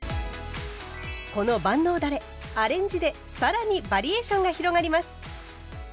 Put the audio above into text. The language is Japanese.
この万能だれアレンジで更にバリエーションが広がります。